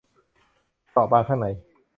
เปราะบางข้างใน